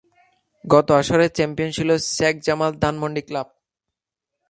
গত আসরের চ্যাম্পিয়ন ছিলো শেখ জামাল ধানমন্ডি ক্লাব।